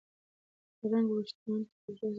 د رنګ روښانتیا د حجرې حساسیت سره بدلون مومي.